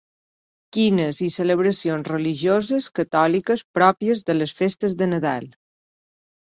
Quines i celebracions religioses catòliques pròpies de les festes de Nadal.